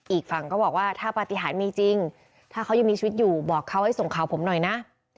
อีกฝั่งก็บอกว่าถ้าปฏิหารมีจริงถ้าเขายังมีชีวิตอยู่บอกเขาให้ส่งข่าวผมหน่อยนะ